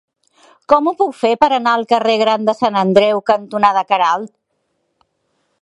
Com ho puc fer per anar al carrer Gran de Sant Andreu cantonada Queralt?